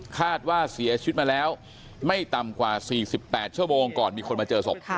คาดว่าเสียชีวิตมาแล้วไม่ต่ำกว่า๔๘ชั่วโมงก่อนมีคนมาเจอศพ